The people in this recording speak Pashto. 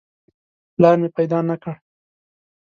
پلار مې پیدا نه کړ.